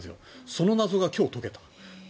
その謎が今日、解けた。